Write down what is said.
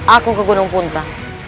aku ke gunung punta